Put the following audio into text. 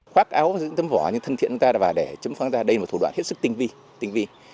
nó sẽ nhiều giá trị cho những thân thiện của chúng ta và để chúng phát ra đây là một thủ đoạn hết sức tinh vi